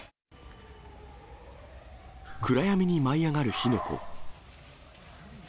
暗闇に舞い上がる火の粉。